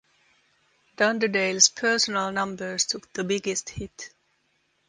Dunderdale's personal numbers took the biggest hit.